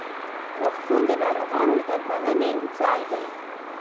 روغتون د ناروغانو د درملنې ځای ده.